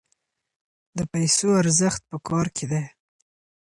د پیسو ارزښت په کار کې دی.